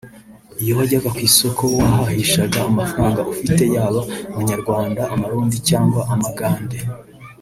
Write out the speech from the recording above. iyo wajyaga ku isoko wahahishaga amafranga ufite yaba amanyarwanda amarundi cyangwa amagande